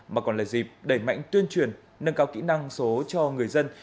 mà còn là dịp đẩy mạnh tuyên truyền nâng cao kỹ năng số cho người dân